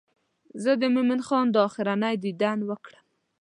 زه د مومن خان دا آخرنی دیدن وکړم.